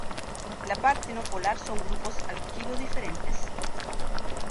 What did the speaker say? La parte no polar son grupos alquilo diferentes.